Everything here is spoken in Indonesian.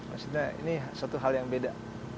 maksudnya ini satu hal yang beda